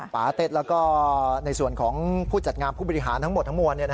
ปาเต็ดแล้วก็ในส่วนของผู้จัดงานผู้บริหารทั้งหมดทั้งมวล